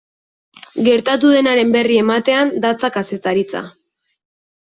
Gertatu denaren berri ematean datza kazetaritza.